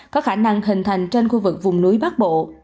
có khả năng hình thành trên khu vực vùng núi bắc bộ